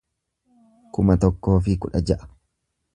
kuma tokkoo fi kudha ja'a